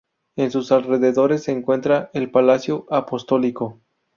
En sus alrededores se encuentra el Palacio Apostólico.